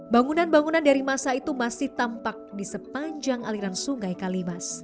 bangunan bangunan dari masa itu masih tampak di sepanjang aliran sungai kalimas